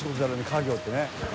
家業ってね。